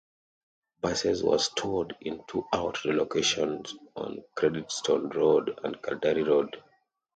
Buses were stored in two outdoor locations on Creditstone Road and Caldari Road.